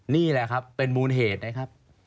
นี่แหละครับเป็นมูลเหตุนะครับ